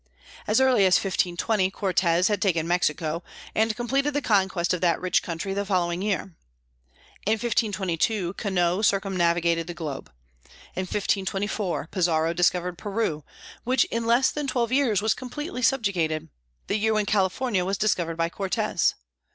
As early as 1520 Cortes had taken Mexico, and completed the conquest of that rich country the following year. In 1522 Cano circumnavigated the globe. In 1524 Pizarro discovered Peru, which in less than twelve years was completely subjugated, the year when California was discovered by Cortes.